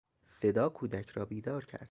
صدا کودک را بیدار کرد.